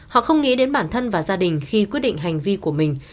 họ không nghĩ đến bản thân và gia đình khi quyết định hành vi của mình